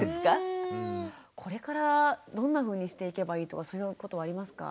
これからどんなふうにしていけばいいとかそういうことはありますか？